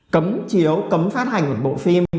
cấm chiếu cấm phát hành một bộ phim